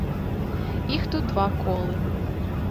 Іх тут два колы.